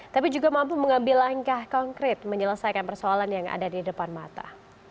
tapi juga mampu mengambil langkah konkret menyelesaikan persoalan yang ada di depan mata